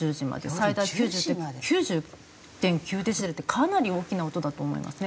最大９０．９デシベルってかなり大きな音だと思いますね